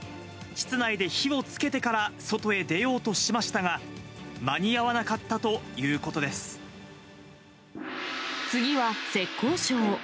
室内で火をつけてから外へ出ようとしましたが、間に合わなかった次は浙江省。